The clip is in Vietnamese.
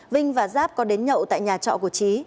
vinh và giáp có đến nhậu tại nhà trọ của trí